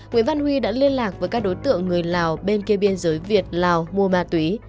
nguyễn văn huy đã liên lạc với các đối tượng người lào bên kia biên giới việt lào mua ma túy